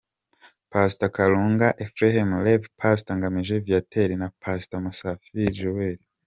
Pastor Karuranga Ephrem ,Rev Pastor Ngamije Viateur na Past Musafili Joel.